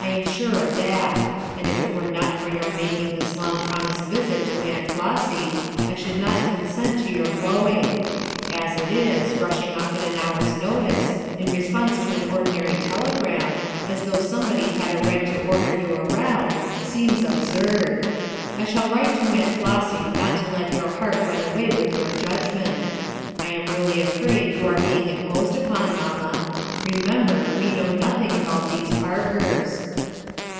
I am sure of that; and if it were not for your making this long promised visit to Aunt Flossy, I should not consent to your going. As it is, rushing off at an hour's notice, in response to an ordinary telegram, as though somebody had a right to order you around, seems absurd. I shall write to Aunt Flossy not to let your heart ran away with your judgment, I am really afraid you are being imposed upon, mamma. Remember, we know nothing about these Parkers."